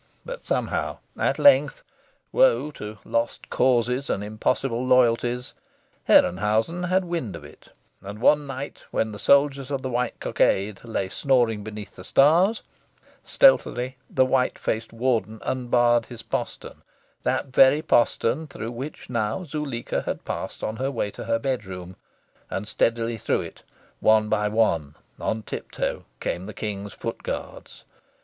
But somehow, at length woe to "lost causes and impossible loyalties" Herrenhausen had wind of it; and one night, when the soldiers of the white cockade lay snoring beneath the stars, stealthily the white faced Warden unbarred his postern that very postern through which now Zuleika had passed on the way to her bedroom and stealthily through it, one by one on tip toe, came the King's foot guards.